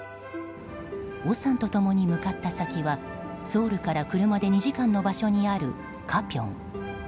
オさんと共に向かった先はソウルから車で２時間の場所にあるカピョン。